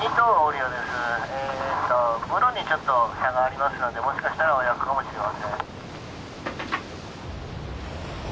物にちょっと差がありますのでもしかしたら親子かもしれません。